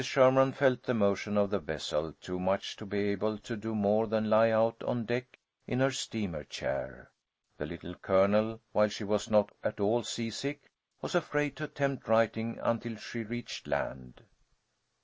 Sherman felt the motion of the vessel too much to be able to do more than lie out on deck in her steamer chair. The Little Colonel, while she was not at all seasick, was afraid to attempt writing until she reached land.